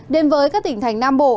đến với các tỉnh thành nam bộ